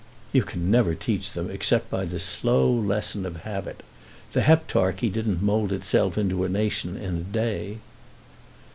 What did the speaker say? "You can never teach them, except by the slow lesson of habit. The Heptarchy didn't mould itself into a nation in a day."